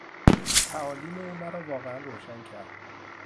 تعالیم او مرا واقعا روشن کرد.